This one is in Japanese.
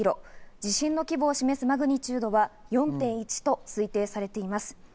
地震の規模を示すマグニチュードは４．１と推定されています。